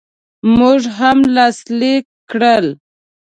موږ هم لاسلیک کړل.